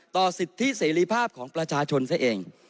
สิทธิเสรีภาพของประชาชนซะเอง